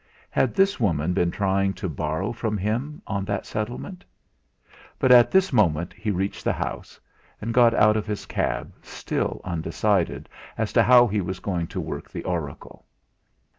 Had this woman been trying to borrow from him on that settlement? But at this moment he reached the house, and got out of his cab still undecided as to how he was going to work the oracle.